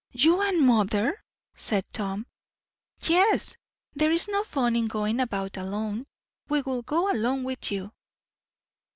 "You and mother!" said Tom. "Yes. There is no fun in going about alone. We will go along with you."